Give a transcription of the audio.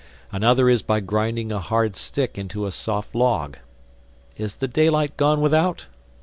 Another is by grinding a hard stick into a soft log—Is the daylight gone without?